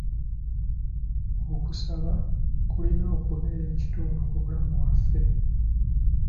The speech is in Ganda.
Okusaba kulina okubeera ekitundu ku bulamu bwaffe.